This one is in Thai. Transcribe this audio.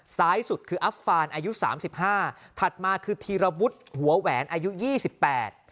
ซ้ายสุดคืออัฟฟานอายุสามสิบห้าถัดมาคือธีรวุฒิหัวแหวนอายุยี่สิบแปด